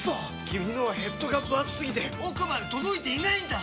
君のはヘッドがぶ厚すぎて奥まで届いていないんだっ！